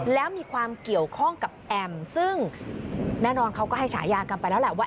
แล้วมีความเกี่ยวข้องกับแอมซึ่งแน่นอนเขาก็ให้ฉายากันไปแล้วแหละว่า